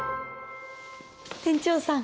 店長さん。